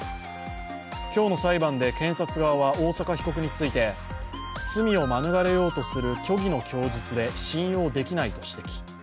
今日の裁判で検察側は大坂被告について罪を免れようとする虚偽の供述で信用できないと指摘。